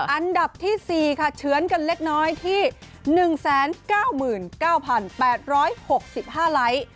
อันดับที่๔ค่ะเฉือนกันเล็กน้อยที่๑๙๙๘๖๕ไลค์